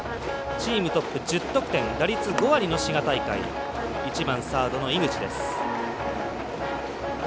チームトップ１０得点打率５割の滋賀大会１番、サードの井口です。